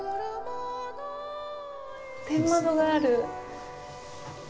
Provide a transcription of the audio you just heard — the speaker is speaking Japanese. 天窓がある。